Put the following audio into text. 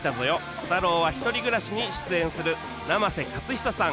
コタローは１人暮らし』に出演する生瀬勝久さん